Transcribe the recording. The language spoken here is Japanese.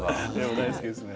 大好きですね。